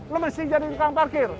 lo mesti jadi tukang parkir